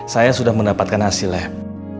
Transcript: saya sudah mendapatkan hasil lab